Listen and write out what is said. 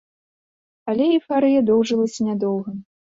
Але эйфарыя доўжылася нядоўга.